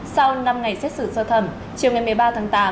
sau năm ngày xét xử sơ thẩm chiều ngày một mươi ba tháng tám